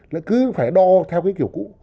lại cứ phải đo theo kiểu cũ